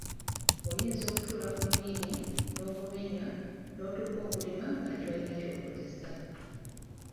Oyinza okutuula ku muyini n’ogumenya n’otuuka okulima ng’ate tolina ky’okozesa.